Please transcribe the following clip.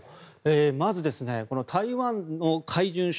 まず台湾の海巡署